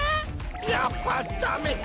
やっぱダメカ。